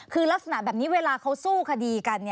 คือลักษณะแบบนี้เวลาเขาสู้คดีกัน